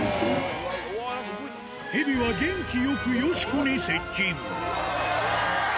ヘビは元気よくよしこに接近。